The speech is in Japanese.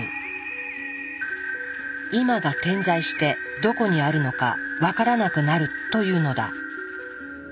「今」が点在してどこにあるのかわからなくなるというのだ。